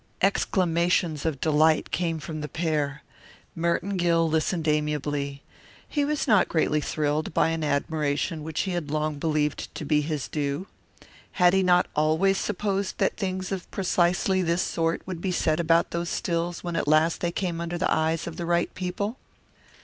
Exclamations of delight came from the pair. Merton Gill listened amiably. He was not greatly thrilled by an admiration which he had long believed to be his due. Had he not always supposed that things of precisely this sort would be said about those stills when at last they came under the eyes of the right people?